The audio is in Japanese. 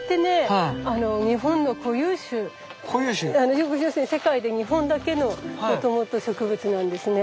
要するに世界で日本だけのもともと植物なんですね。